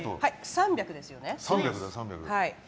３００ですよね。